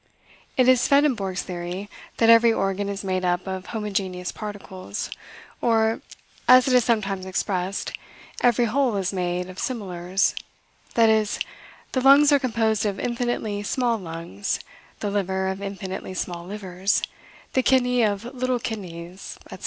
It is Swedenborg's theory, that every organ is made up of homogeneous particles; or, as it is sometimes expressed, every whole is made of similars; that is, the lungs are composed of infinitely small lungs; the liver, of infinitely small livers; the kidney, of little kidneys, etc.